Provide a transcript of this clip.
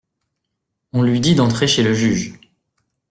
On lui dit d'entrer chez le juge.